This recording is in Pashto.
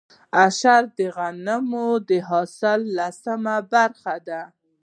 عشر د غنمو د حاصل لسمه برخه ده.